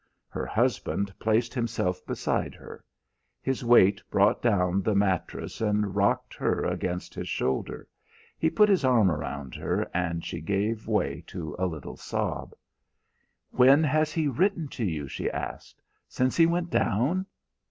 Her husband placed himself beside her. His weight brought down the mattress and rocked her against his shoulder; he put his arm around her, and she gave way to a little sob. "When has he written to you?" she asked. "Since he went down?"